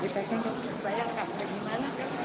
bukannya ke luar negeri